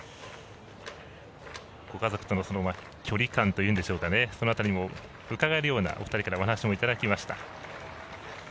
ご家族との距離感というんでしょうかその辺りも伺えるようなお話もお二人からいただきました。